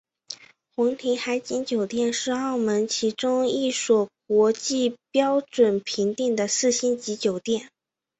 皇庭海景酒店是澳门其中一所国际标准评定的四星级酒店。